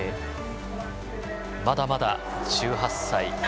まだまだ１８歳。